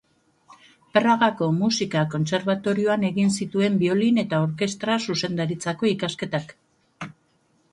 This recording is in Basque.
Pragako Musika Kontserbatorioan egin zituen biolin eta orkestra-zuzendaritzako ikasketak.